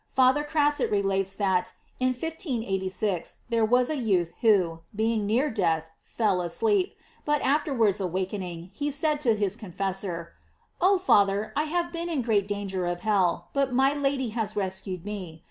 Father Crasset relates J that in 1586 there was a youth who, being near death, fell asleep; but afterwards awakening, he said to his confessor: "Oh Father, I have been in great danger of hell, but my Lady has rescued me.